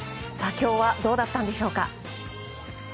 今日はどうだったんでしょうか。